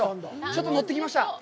ちょっと乗ってきました。